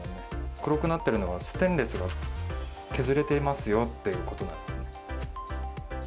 黒くなっているのは、ステンレスが削れていますよっていうことなんですね。